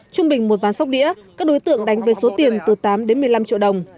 trung bình một ván sóc đĩa các đối tượng đánh về số tiền từ tám đến một mươi năm triệu đồng